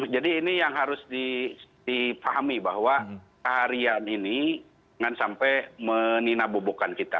jadi ini yang harus dipahami bahwa harian ini jangan sampai meninabobokan kita